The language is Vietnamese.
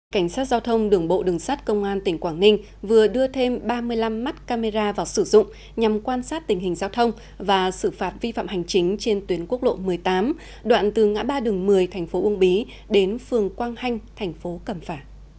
cảnh sát giao thông đường bộ đường sát công an tỉnh quảng ninh vừa đưa thêm ba mươi năm mắt camera vào sử dụng nhằm quan sát tình hình giao thông và xử phạt vi phạm hành chính trên tuyến quốc lộ một mươi tám đoạn từ ngã ba đường một mươi thành phố uông bí đến phường quang hanh thành phố cẩm phả